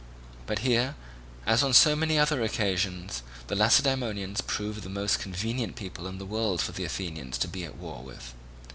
But here, as on so many other occasions, the Lacedaemonians proved the most convenient people in the world for the Athenians to be at war with.